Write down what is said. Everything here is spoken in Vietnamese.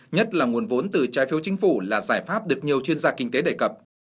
nhất là nguồn vốn từ trái phiếu chính phủ là giải pháp được nhiều chuyên gia kinh tế đề cập